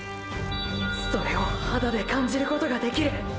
それを肌で感じることができる！